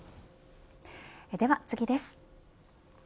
では次です。